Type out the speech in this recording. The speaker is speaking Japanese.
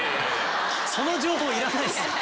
その情報いらないです！